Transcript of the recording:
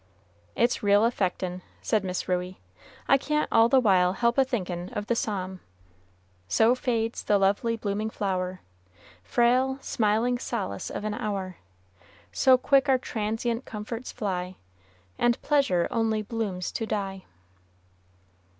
"It's real affectin'," said Miss Ruey, "I can't all the while help a thinkin' of the Psalm, "'So fades the lovely blooming flower, Frail, smiling solace of an hour; So quick our transient comforts fly, And pleasure only blooms to die.'"